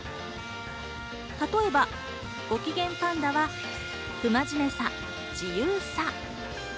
例えば、ごきげんぱんだは不真面目さ、自由さ。